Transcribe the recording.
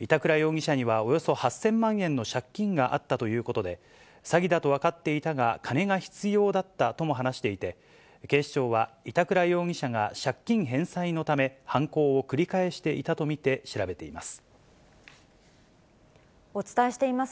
板倉容疑者にはおよそ８０００万円の借金があったということで、詐欺だと分かっていたが、金が必要だったとも話していて、警視庁は、板倉容疑者が借金返済のため、犯行を繰り返していたと見て調べています。